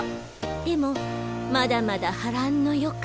でもまだまだ波乱の予感